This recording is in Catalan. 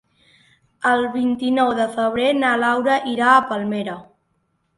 El vint-i-nou de febrer na Laura irà a Palmera.